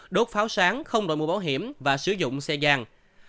đốt pháo sáng không đổi mũ bảo hiểm và sử dụng xe gian